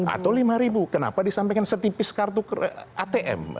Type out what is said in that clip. atau lima kenapa disampaikan setipis kartu atm